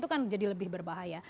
itu kan jadi lebih berbahaya